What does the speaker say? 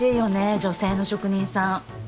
女性の職人さん。